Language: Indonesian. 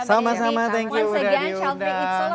sama sama thank you udadi undang